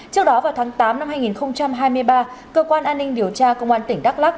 trước đó vào tháng tám năm hai nghìn hai mươi ba cơ quan an ninh điều tra công an tỉnh đắk lắc